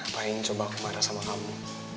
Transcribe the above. apa yang coba aku marah sama kamu